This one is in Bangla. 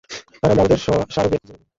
আর আমরা আমাদের সারোগেট খুঁজে নেবো।